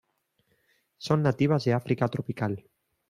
Son nativas de África tropical.